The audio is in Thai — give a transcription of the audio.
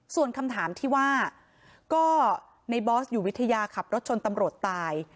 ส่วนคำถามที่ว่าก็ในบอสอยู่วิทยาขับรถชนตำรวจตาย